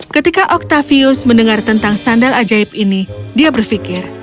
ketika octavius mendengar tentang sandal ajaib ini dia berpikir